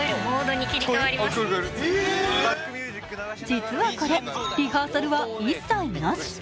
実はこれ、リハーサルは一切なし。